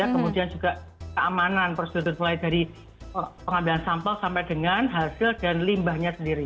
kemudian juga keamanan prosedur mulai dari pengambilan sampel sampai dengan hasil dan limbahnya sendiri